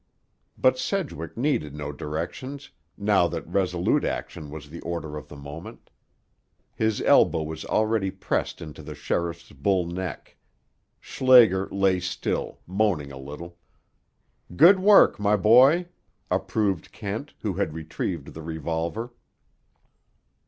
But Sedgwick needed no directions, now that resolute action was the order of the moment. His elbow was already pressed into the sheriff's bull neck. Schlager lay still, moaning a little. "Good work, my boy," approved Kent, who had retrieved the revolver.